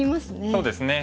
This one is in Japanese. そうですね。